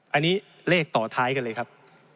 อันนี้เลขต่อท้ายกันเลยครับ